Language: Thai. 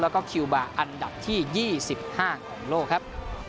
แล้วก็คิวบาอันดับที่ยี่สิบห้างของโลกครับ